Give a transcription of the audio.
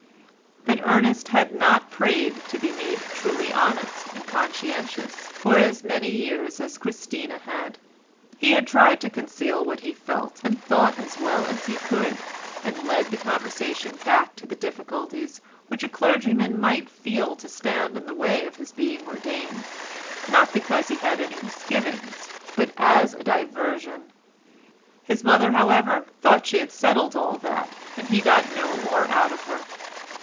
But Ernest had not prayed to be made "truly honest and conscientious" for as many years as Christina had. He tried to conceal what he felt and thought as well as he could, and led the conversation back to the difficulties which a clergyman might feel to stand in the way of his being ordained—not because he had any misgivings, but as a diversion. His mother, however, thought she had settled all that, and he got no more out of her.